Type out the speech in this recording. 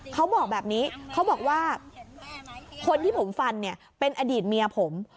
เขาบอกแบบนี้เขาบอกว่าคนที่ผมฟันเนี่ยเป็นอดีตเมียผม